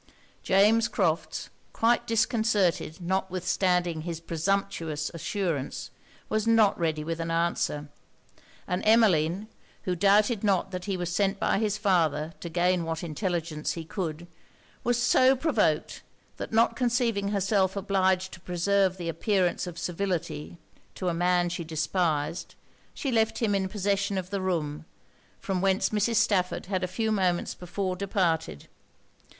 James Crofts, quite disconcerted notwithstanding his presumptuous assurance, was not ready with an answer; and Emmeline, who doubted not that he was sent by his father to gain what intelligence he could, was so provoked, that not conceiving herself obliged to preserve the appearance of civility to a man she despised, she left him in possession of the room, from whence Mrs. Stafford had a few moments before departed.